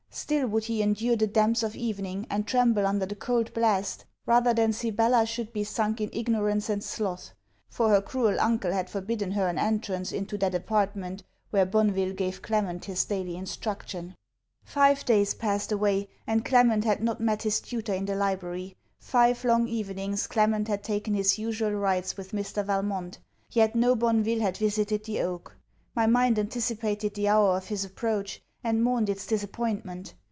Still, would he endure the damps of evening, and tremble under the cold blast, rather than Sibella should be sunk in ignorance and sloth; for her cruel uncle had forbidden her an entrance into that apartment where Bonneville gave Clement his daily instruction. Five days passed away, and Clement had not met his tutor in the library. Five long evenings, Clement had taken his usual rides with Mr. Valmont, yet no Bonneville had visited the oak. My mind anticipated the hour of his approach, and mourned its disappointment.